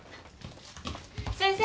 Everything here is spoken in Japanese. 先生。